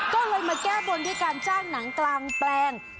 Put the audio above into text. ก็เลยมาแก้บนด้วยการจ้างหนังกลางแปลง